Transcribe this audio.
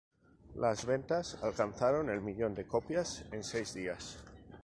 Las ventas alcanzaron el millón de copias en seis días.